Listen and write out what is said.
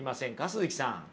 鈴木さん。